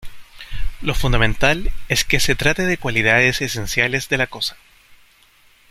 Lo fundamental es que se trate de cualidades esenciales de la cosa.